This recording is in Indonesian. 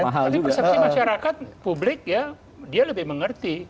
tapi persepsi masyarakat publik ya dia lebih mengerti